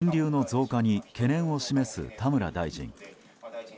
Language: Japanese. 人流の増加に懸念を示す田村大臣。